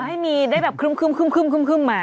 ให้มีได้แบบครึ่มมา